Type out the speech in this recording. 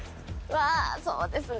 うわそうですね。